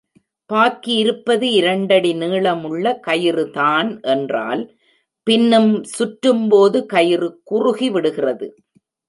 பாக்கியிருப்பது இரண்டடி நீளமுள்ள கயிறுதான் என்றால் பின்னும் சுற்றும்போது, கயிறு குறுகிவிடுகிறது.